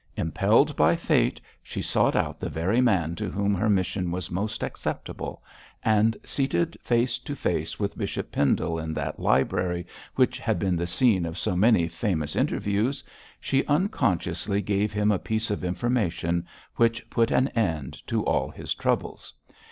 Impelled by Fate, she sought out the very man to whom her mission was most acceptable; and seated face to face with Bishop Pendle in that library which had been the scene of so many famous interviews, she unconsciously gave him a piece of information which put an end to all his troubles.